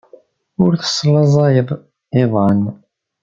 Ur teslaẓayeḍ iḍan.